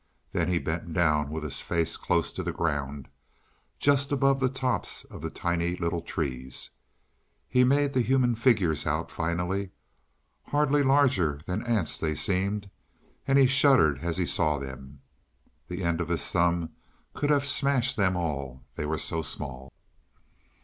Then he bent down with his face close to the ground, just above the tops of the tiny little trees. He made the human figures out finally. Hardly larger than ants they seemed, and he shuddered as he saw them. The end of his thumb could have smashed them all, they were so small.